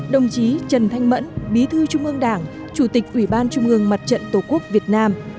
đồng chí trần thanh mẫn bí thư trung ương đảng chủ tịch ủy ban trung ương mặt trận tổ quốc việt nam